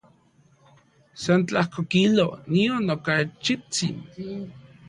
San tlajko kilo, nion okachitsin.